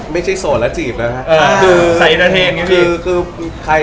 ไม่ใช่โสดแล้วจีบนะครับ